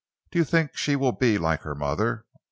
Do you think she will be like her mother?"